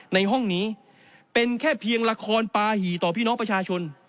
ในห้องนี้เป็นแค่เพียงละครปาหี่ต่อพี่น้องประชาชน